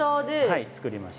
はい作りました。